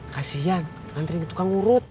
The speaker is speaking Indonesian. kasian nganterin tukang urut